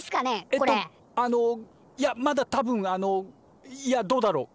えっとあのいやまだ多分あのいやどうだろう？